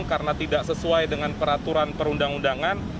karena tidak sesuai dengan peraturan perundang undangan